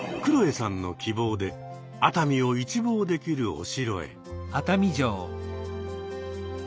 さんの希望で熱海を一望できるお城へ。